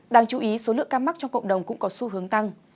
đáng chú ý số lượng ca mắc trong cộng đồng cũng có xu hướng tăng